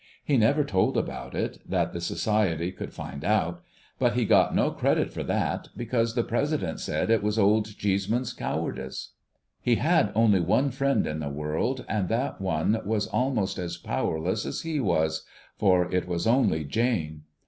He never told about it, that the Society could find out ; but he got no credit for that, because the President said it was Old Cheeseman's cowardice. He had only one friend in the world, and that one was almost as powerless as he was, for it was only Jane.